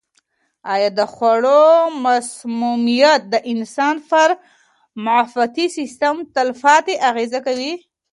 آیا د خوړو مسمومیت د انسان پر معافیتي سیستم تلپاتې اغېزه کوي؟